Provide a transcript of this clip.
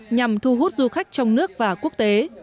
nhằm thu hút du khách trong nước và quốc tế